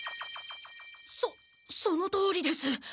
そそのとおりです！